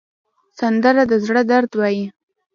سندره د زړه درد وایي